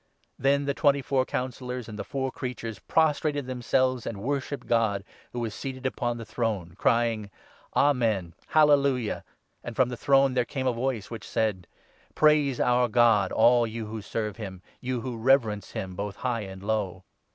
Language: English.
Then the twenty four Councillors 4 and the four Creatures prostrated themselves and worshipped God who was seated upon the throne, crying —' Amen, 5 Hallelujah !'; and from the throne there came a voice which said —' Praise our God all you who serve him, You who reverence him, both high and low.'